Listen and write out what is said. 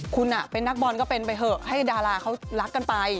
คุณเป็นนักบอลก็เป็นไปเถอะให้ดาราเขารักกันไป